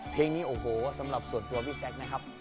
เพลงนี้โอ้โหสำหรับส่วนตัวพี่แซคนะครับ